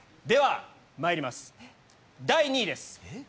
ではまいります第２位です。